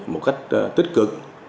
một cách tích cực